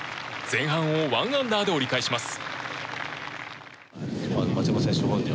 前半を１アンダーで折り返します。